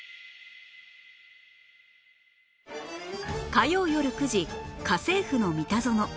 火曜よる９時『家政夫のミタゾノ』